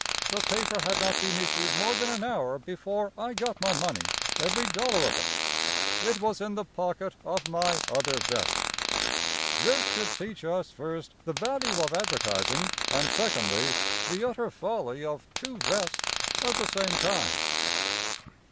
The paper had not been issued more than an hour before I got my money, every dollar of it. It was in the pocket of my other vest. This should teach us, first, the value of advertising, and, secondly, the utter folly of two vests at the same time.